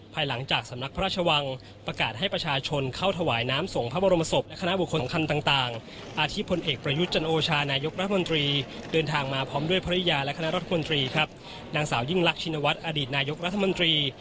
ทางมาพริยาและคณะรัฐมนตรีนางสาวยิ่งลักษณวร์ชินวัตรอดีตนายกรัฐมนตรี